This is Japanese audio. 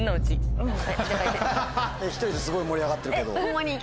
１人ですごい盛り上がってるけど。